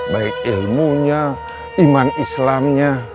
baik ilmunya iman islamnya